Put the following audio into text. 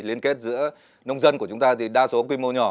liên kết giữa nông dân của chúng ta thì đa số quy mô nhỏ